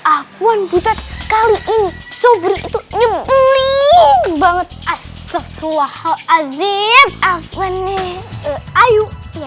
afwan butat kali ini sobri itu nyembeli banget astagfirullahalazim afwane ayu